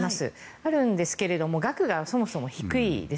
あるんですけれども額がそもそも低いです。